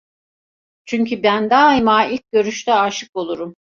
Çünkü ben daima ilk görüşte aşık olurum.